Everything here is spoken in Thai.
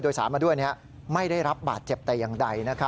โดยสารมาด้วยไม่ได้รับบาดเจ็บแต่อย่างใด